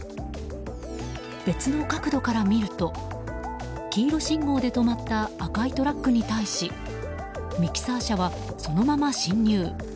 別の角度から見ると黄色信号で止まった赤いトラックに対しミキサー車は、そのまま進入。